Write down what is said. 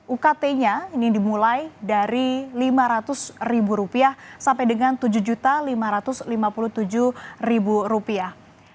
ukt nya ini dimulai dari lima ratus rupiah sampai dengan tujuh lima ratus lima puluh tujuh rupiah